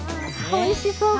おいしそう！